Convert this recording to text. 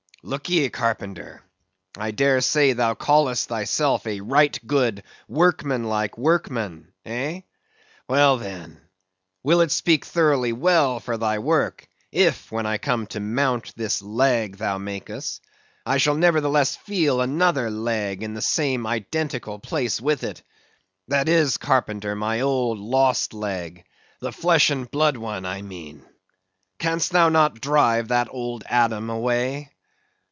Look ye, carpenter, I dare say thou callest thyself a right good workmanlike workman, eh? Well, then, will it speak thoroughly well for thy work, if, when I come to mount this leg thou makest, I shall nevertheless feel another leg in the same identical place with it; that is, carpenter, my old lost leg; the flesh and blood one, I mean. Canst thou not drive that old Adam away?